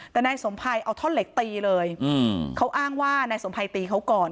แต่นายสมภัยเอาท่อนเหล็กตีเลยเขาอ้างว่านายสมภัยตีเขาก่อน